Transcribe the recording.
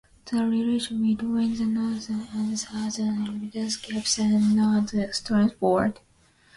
The relation between the northeastern and southeastern Iberian scripts is not straightforward.